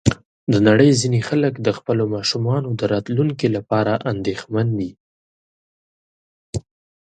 د نړۍ ځینې خلک د خپلو ماشومانو د راتلونکي لپاره اندېښمن دي.